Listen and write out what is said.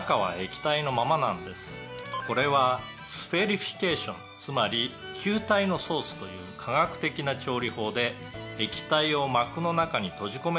「これはスフェリフィケーションつまり球体のソースという科学的な調理法で液体を膜の中に閉じ込めるテクニックなんです」